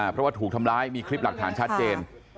เพราะว่าถูกทำร้ายมีคลิปหลักฐานชัดเจน